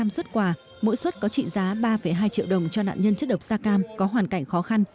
xuất quà mỗi xuất có trị giá ba hai triệu đồng cho nạn nhân chất độc da cam có hoàn cảnh khó khăn